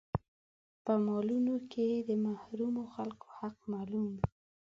په مالونو کې يې د محرومو خلکو حق معلوم وي.